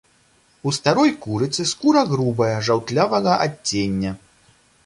У старой курыцы скура грубая, жаўтлявага адцення.